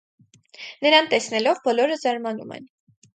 Նրան տեսնելով՝ բոլորը զարմանում են։